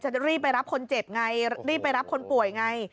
จะรีบไปรับคนเจ็บไงรีบไปรับคนป่วยไง